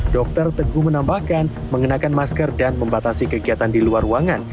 dokter teguh menambahkan mengenakan masker dan membatasi kegiatan di luar ruangan